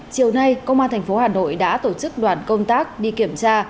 chiều nay công an thành phố hà nội đã tổ chức đoàn công tác đi kiểm tra